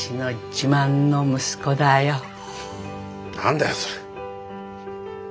何だよそれ。